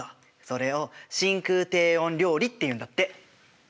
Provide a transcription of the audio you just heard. それを真空低温料理っていうんだって。